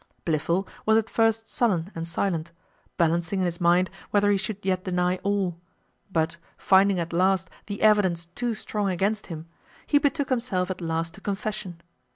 Blifil was at first sullen and silent, balancing in his mind whether he should yet deny all; but, finding at last the evidence too strong against him, he betook himself at last to confession.